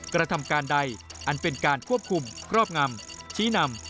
กระทำการใดอันเป็นการควบคุมครอบงำชี้นำ